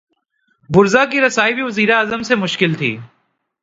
وزرا کی رسائی بھی وزیر اعظم سے مشکل تھی۔